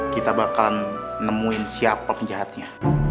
kita bakal nemuin siapa penjahatnya